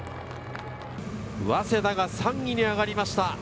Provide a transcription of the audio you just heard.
早稲田が３位に上がりました。